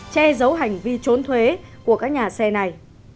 che giấu hành vi trốn thuế của các nhà xe này